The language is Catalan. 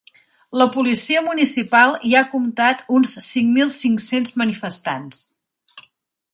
La policia municipal hi ha comptat uns cinc mil cinc-cents manifestants.